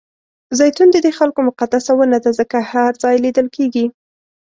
زیتون ددې خلکو مقدسه ونه ده ځکه هر ځای لیدل کېږي.